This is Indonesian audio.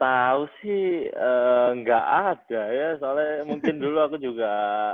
kalau yang aku tau sih gak ada ya soalnya mungkin dulu aku juga